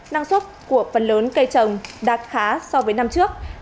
năng suất của phần lớn cây trồng đạt khá so với năm trước